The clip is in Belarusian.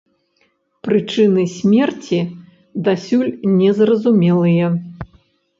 Прычыны смерці дасюль не зразумелыя.